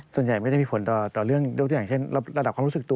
ส่วนใหญ่มันก็จะมีผลต่อเรื่องอย่างเช่นระดับความรู้สึกตัว